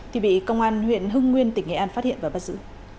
thì bị công an huyện hưng nguyên tỉnh nghệ an phát hiện và bắt giữ